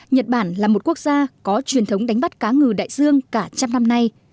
nhật bản là một quốc gia có truyền thống đánh bắt cá ngừ đại dương cả trăm năm nay